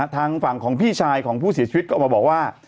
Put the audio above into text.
ทางฝั่งของพี่ชายของผู้เสียชีวิตก็ออกมาบอกว่า